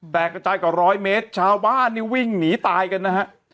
กระจายกว่าร้อยเมตรชาวบ้านนี่วิ่งหนีตายกันนะฮะ